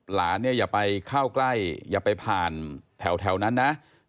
หลานเนี่ยอย่าไปเข้าใกล้อย่าไปผ่านแถวนั้นนะ